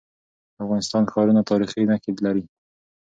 د افغانستان ښارونه تاریخي نښي لري.